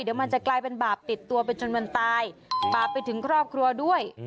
เดี๋ยวมันจะกลายเป็นบาปติดตัวไปจนมันตายบาปไปถึงครอบครัวด้วย